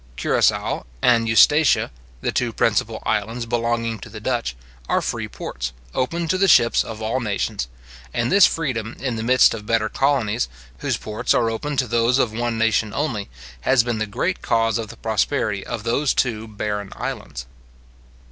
Curacoa and Eustatia, the two principal islands belonging to the Dutch, are free ports, open to the ships of all nations; and this freedom, in the midst of better colonies, whose ports are open to those of one nation only, has been the great cause of the prosperity of those two barren islands.